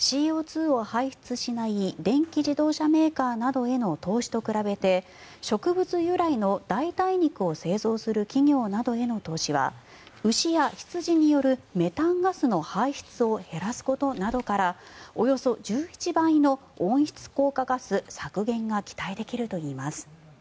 ＣＯ２を排出しない電気自動車メーカーなどへの投資と比べて植物由来の代替肉を製造する企業などへの投資は牛や羊によるメタンガスの排出を減らすことなどからおよそ１１倍の温室効果ガス削減が期待できるといいます。